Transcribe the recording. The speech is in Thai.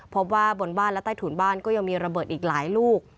พบว่าบนบ้านและใต้ถุนบ้านก็ยังมีระเบิดอีกหลายลูก